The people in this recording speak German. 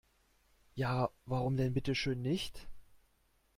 Ja, warum denn bitte schön nicht?